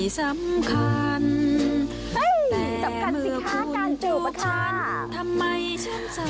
จับกันสิค่ะการจูบค่ะ